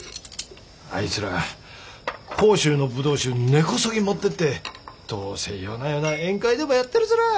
あいつら甲州のブドウ酒根こそぎ持ってってどうせ夜な夜な宴会でもやってるずら！